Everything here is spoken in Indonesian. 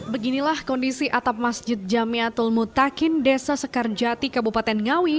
beginilah kondisi atap masjid jamiatul mutakin desa sekarjati kabupaten ngawi